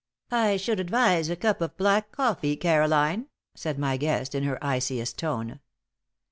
"I should advise a cup of black coffee, Caroline," said my guest, in her iciest tone.